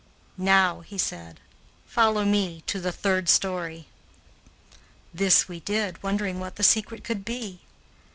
"Now," said he, "follow me to the third story." This we did, wondering what the secret could be.